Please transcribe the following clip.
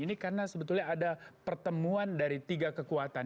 ini karena sebetulnya ada pertemuan dari tiga kekuatan